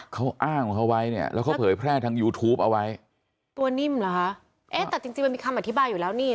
เขาอ้างของเขาไว้เนี่ยแล้วเขาเผยแพร่ทางยูทูปเอาไว้ตัวนิ่มเหรอคะเอ๊ะแต่จริงจริงมันมีคำอธิบายอยู่แล้วนี่